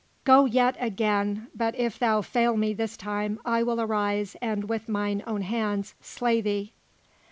Go yet again, but if thou fail me this time, I will arise and, with mine own hands, slay thee."